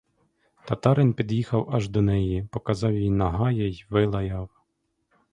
Татарин під'їхав аж до неї, показав їй нагая й вилаяв.